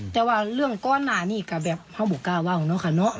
แต่ว่าเรื่องก้อนนานี่ก็แบบพ่อบุกก้าว่าของน้องค่ะเนอะ